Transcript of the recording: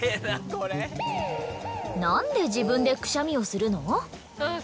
なんで自分でくしゃみをするの？